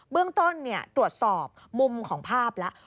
เบื้องต้นตรวจสอบมุมของภาพแล้ว